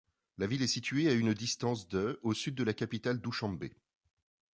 La ville est située à une distance de au sud de la capitale Douchanbé.